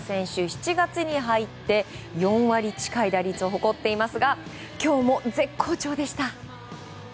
７月に入って４割近い打率を誇っていますが今日も絶好調でした。